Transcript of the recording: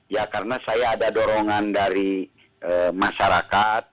ya karena saya ada dorongan dari masyarakat